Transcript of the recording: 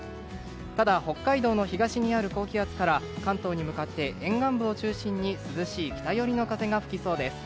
ただ北海道の東にある高気圧から関東に向かって沿岸部を中心に涼しい北寄りの風が吹きそうです。